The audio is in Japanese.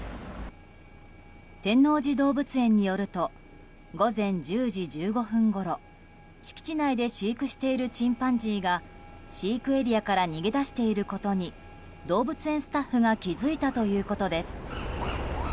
天王寺動物園によると午前１０時１５分ごろ敷地内で飼育しているチンパンジーが飼育エリアから逃げ出していることに動物園スタッフが気付いたということです。